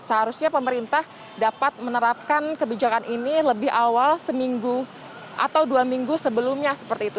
seharusnya pemerintah dapat menerapkan kebijakan ini lebih awal seminggu atau dua minggu sebelumnya seperti itu